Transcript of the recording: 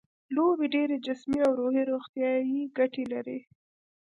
لوبې ډېرې جسمي او روحي روغتیايي ګټې لري.